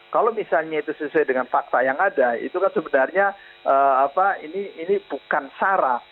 kalau misalnya itu sesuai dengan fakta yang ada itu kan sebenarnya ini bukan sarah